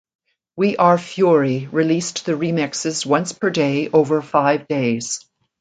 We Are Fury released the remixes once per day over five days.